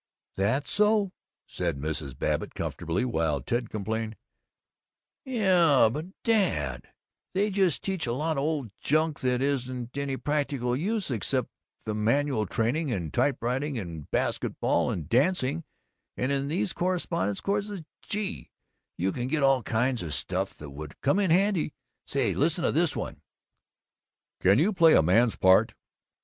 "That's so," said Mrs. Babbitt comfortably, while Ted complained: "Yuh, but Dad, they just teach a lot of old junk that isn't any practical use except the manual training and typewriting and basketball and dancing and in these correspondence courses, gee, you can get all kinds of stuff that would come in handy. Say, listen to this one:" CAN YOU PLAY A MAN'S PART?